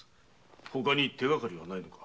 ほかに手がかりはないのか？